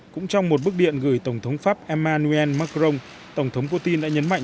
cũng trong một bức điện gửi tổng thống pháp emmanuel macron tổng thống putin đã nhấn mạnh